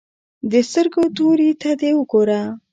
د سترګو تورې ته دې وګوره.